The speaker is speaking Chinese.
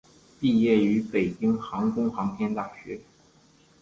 毕业于北京航空航天大学。